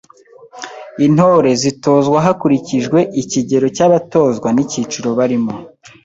Intore zitozwa hakurikijwe ikigero cy’abatozwa n’icyiciro barimo.